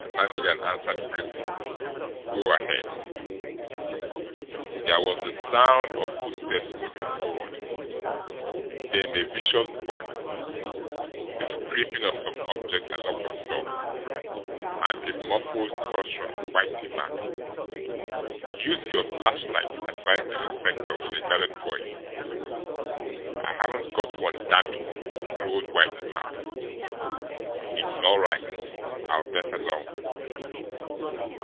Lannigan answered grimly. "Go ahead!" There was the sound of footsteps moving forward, then a vicious bump, the scraping of some object along the floor, and a muffled curse from Whitey Mack. "Use your flashlight!" advised the inspector, in a guarded voice. "I haven't got one, damn it!", growled Whitey Mack. "It's all right. I'll get along."